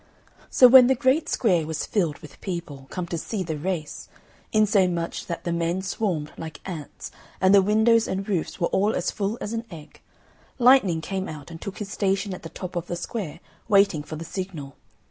So when the great square was filled with people, come to see the race, insomuch that the men swarmed like ants, and the windows and roofs were all as full as an egg, Lightning came out and took his station at the top of the square, waiting for the signal.